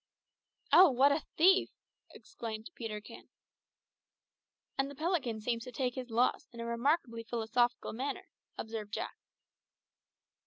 "Oh, what a thief!" exclaimed Peterkin. "And the pelican seems to take his loss in a remarkably philosophical manner," observed Jack.